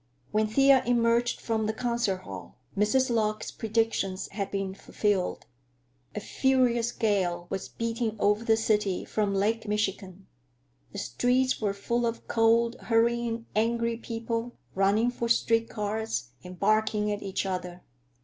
When Thea emerged from the concert hall, Mrs. Lorch's predictions had been fulfilled. A furious gale was beating over the city from Lake Michigan. The streets were full of cold, hurrying, angry people, running for street cars and barking at each other.